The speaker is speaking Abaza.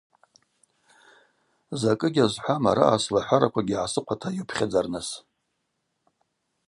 Закӏы гьазхӏвам араъа слахӏвараквагьи гӏасыхъвата йупхьадзарныс.